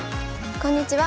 こんにちは。